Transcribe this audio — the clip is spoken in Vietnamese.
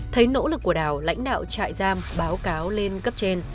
thấy nỗ lực của đào lãnh đạo trại giam báo cáo lên cấp trên